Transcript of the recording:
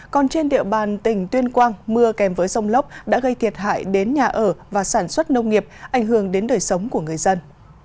còn trên địa bàn tỉnh tuyên quang mưa kèm với rông lốc đã gây thiệt hại đến nhà ở và sản xuất nông nghiệp ảnh hưởng đến đời sống của người dân